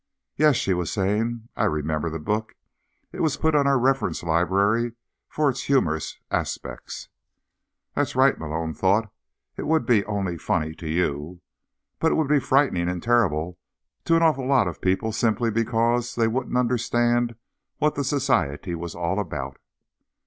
"Yes," she was saying. "I remember the book. It was put in our reference library for its humorous aspects." That's right, Malone thought. _It would be only funny to you. But it would be frightening and terrible to an awful lot of people simply because they wouldn't understand what the Society was all about.